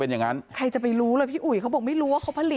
แต่ทางร้านบอกว่าไม่ใช่ละมั้งถึงจะฝาสีแดงเหมือนกัน